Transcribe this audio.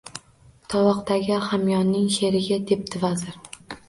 – Tovoqdagi hamyonning sherigi, – debdi vazir.